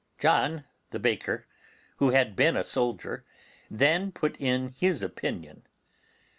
John the baker, who had been a soldier, then put in his opinion.